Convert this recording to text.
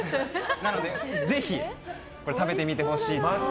なのでぜひこれ食べてみてほしい。